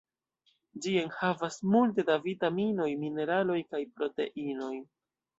Ĝi enhavas multe da vitaminoj, mineraloj kaj proteinoj.